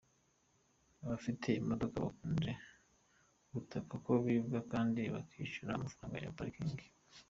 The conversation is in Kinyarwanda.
Abafite imodoka bakunze gutaka ko bibwa kandi bakishyura amafaranga ya parikingi.